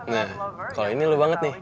nah kalau ini lu banget nih